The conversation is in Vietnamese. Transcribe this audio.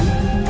em nghi vấn